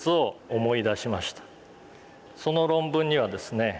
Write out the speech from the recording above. その論文にはですね